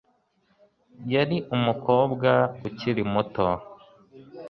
Yari umukobwa ukiri muto.